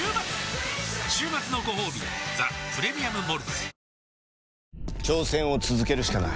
週末のごほうび「ザ・プレミアム・モルツ」